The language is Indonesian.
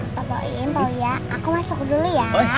pak buim pak ilya aku masuk dulu ya